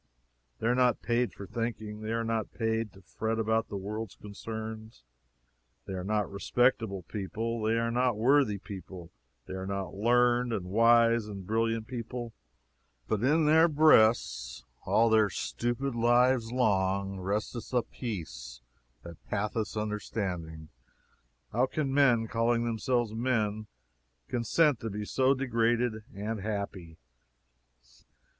They are not paid for thinking they are not paid to fret about the world's concerns. They were not respectable people they were not worthy people they were not learned and wise and brilliant people but in their breasts, all their stupid lives long, resteth a peace that passeth understanding! How can men, calling themselves men, consent to be so degraded and happy.